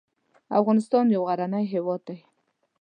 افغانستان یو غرنی هیواد دی